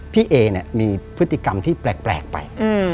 พี่เอเนี่ยมีพฤติกรรมที่แปลกไป